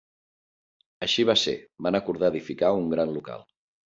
Així va ser, van acordar edificar un gran local.